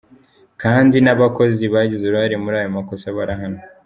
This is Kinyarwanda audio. Kandi n’abakozi bagize uruhare muri ayo makosa barahanwe.